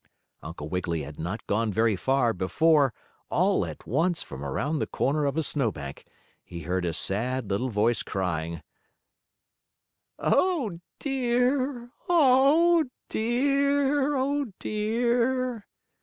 Uncle Wiggily had not gone very far before, all at once from around the corner of a snowbank he heard a sad, little voice crying: "Oh, dear! Oh, dear! Oh, dear!"